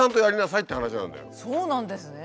そうなんですね。